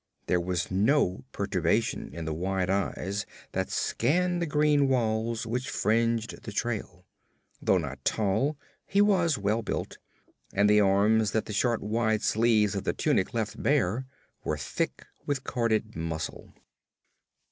There was no perturbation in the wide eyes that scanned the green walls which fringed the trail. Though not tall, he was well built, and the arms that the short wide sleeves of the tunic left bare were thick with corded muscle.